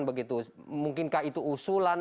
begitu mungkinkah itu usulan